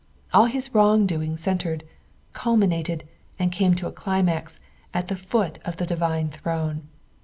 Ail his wrong doing centred, culminated, and came to a climax, at the foot of the divine throne.